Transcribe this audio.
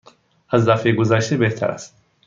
از دفعه گذشته بهتر است.